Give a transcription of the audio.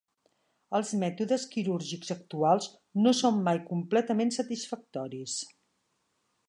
Els mètodes quirúrgics actuals no són mai completament satisfactoris.